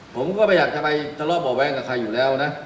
ผมก็ไม่อยากจะไปทะเลาะบ่อแว้งกับใครอยู่แล้วนะ